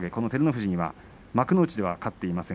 富士には幕内では勝っていません。